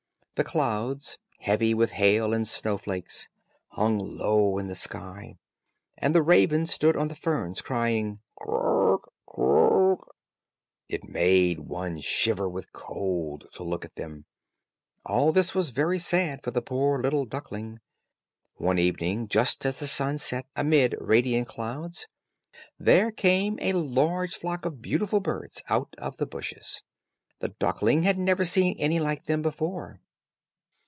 The clouds, heavy with hail and snow flakes, hung low in the sky, and the raven stood on the ferns crying, "Croak, croak." It made one shiver with cold to look at him. All this was very sad for the poor little duckling. One evening, just as the sun set amid radiant clouds, there came a large flock of beautiful birds out of the bushes. The duckling had never seen any like them before.